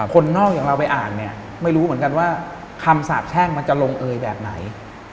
คนนอกอย่างเราไปอ่านเนี่ยไม่รู้เหมือนกันว่าคำสาบแช่งมันจะลงเอยแบบไหน